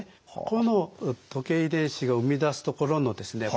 この時計遺伝子が生み出すところのですね